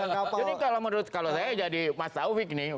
jadi kalau menurut saya jadi mas taufik nih